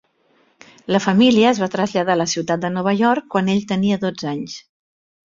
La família es va traslladar a la ciutat de Nova York quan ell tenia dotze anys.